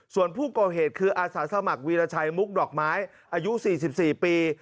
ส่วนผู้ก่อเหตุคืออาสาสมัครวีรชัยมุกดอกไม้อายุ๔๔ปี